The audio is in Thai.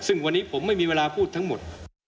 ซึ่งวันนี้ผมไม่มีเวลาพูดทั้งหมด